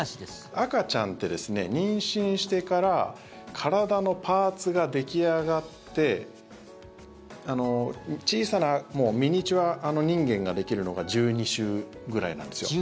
赤ちゃんって妊娠してから体のパーツが出来上がって小さなミニチュア人間ができるのが１２週。